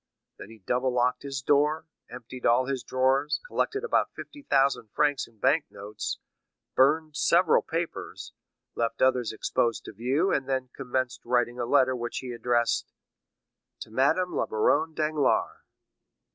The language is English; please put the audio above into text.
Then he double locked his door, emptied all his drawers, collected about fifty thousand francs in bank notes, burned several papers, left others exposed to view, and then commenced writing a letter which he addressed: "To Madame la Baronne Danglars."